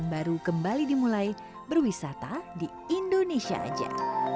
baru kembali dimulai berwisata di indonesia aja